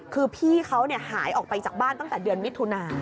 คือพี่เขาหายออกไปจากบ้านตั้งแต่เดือนมิถุนา